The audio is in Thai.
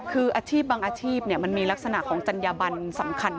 คืออาชีพบางอาชีพมันมีลักษณะของจัญญาบันสำคัญ